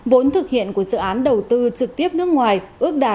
vốn thực hiện của dự án đầu tư trực tiếp nước ngoài ước đạt một mươi sáu ba